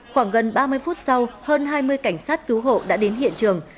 khoảng gần ba mươi phút sau hơn hai mươi cảnh sát cứu hộ đã đến hiện trường